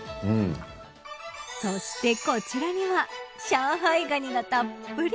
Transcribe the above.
そしてこちらには上海蟹がたっぷり。